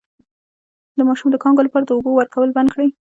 د ماشوم د کانګو لپاره د اوبو ورکول بند کړئ